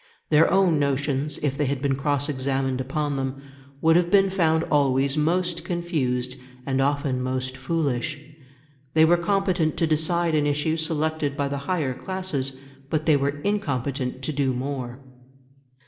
Their own notions, if they had been cross examined upon them, would have been found always most confused and often most foolish. They were competent to decide an issue selected by the higher classes, but they were incompetent to do more.